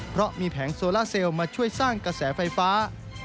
เพราะมีแผงโซล่าเซลล์มาช่วยสร้างกระแสไฟฟ้า